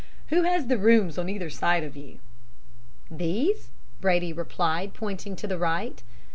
Who has the rooms on either side of you?' "'These?' Brady replied, pointing to the right.